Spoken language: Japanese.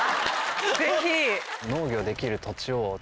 ぜひ！